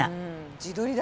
自撮りだ。